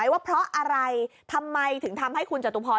ว่าเพราะอะไรทำไมถึงทำให้คุณจตุพร